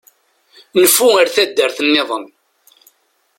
Nfu ar taddart-nniḍen.